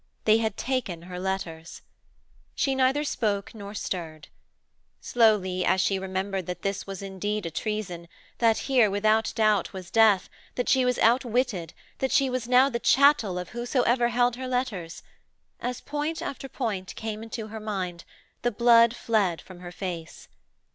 They had taken her letters! She neither spoke nor stirred. Slowly, as she remembered that this was indeed a treason, that here without doubt was death, that she was outwitted, that she was now the chattel of whosoever held her letters as point after point came into her mind, the blood fled from her face.